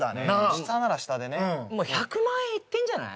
下なら下でねもう１００万円いってんじゃない？